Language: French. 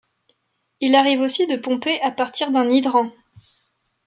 Il arrive aussi de pomper à partir d'un hydrant.